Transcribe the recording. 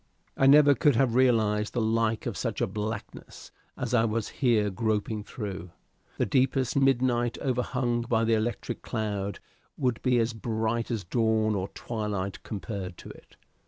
I never could have realized the like of such a blackness as I was here groping through. The deepest midnight overhung by the electric cloud would be as bright as dawn or twilight compared to it.